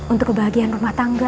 untuk kebahagiaan rumah tangga